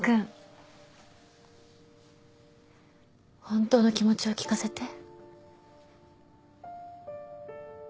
本当の気持ちを聞かせて。